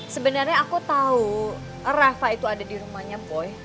sebenarnya aku tahu rafa itu ada di rumahnya boy